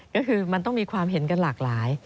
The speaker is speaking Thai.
ก็คือมันต้องมีความเห็นกันหลากหลาย